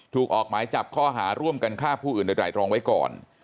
ออกหมายจับข้อหาร่วมกันฆ่าผู้อื่นโดยไตรรองไว้ก่อน